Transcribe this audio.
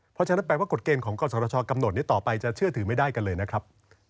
เพราะฉะนั้นแปลว่ากฎเกณฑ์ของกศชกำหนดนี้ต่อไปจะเชื่อถือไม่ได้กันเลยนะครับ